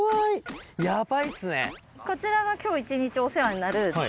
こちらは今日一日お世話になるちょび。